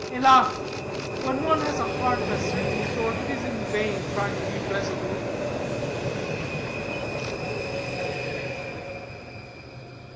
Enough: when one has a heart of a certain sort, it is in vain trying to be resolute."